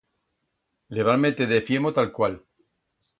Le van meter de fiemo talcual.